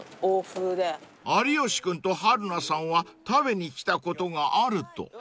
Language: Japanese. ［有吉君と春菜さんは食べに来たことがあると］